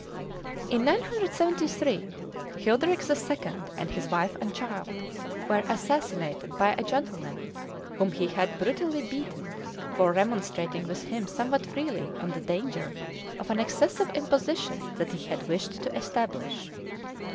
In 973, Childerick the Second, and his wife and child, were assassinated by a gentleman whom he had had brutally beaten for remonstrating with him somewhat freely on the danger of an excessive imposition that he had wished to establish.